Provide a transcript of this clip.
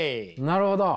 なるほど。